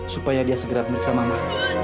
supaya dia segera memeriksa mama